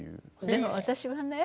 でも私はね